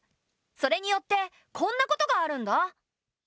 それによってこんなことがあるんだ。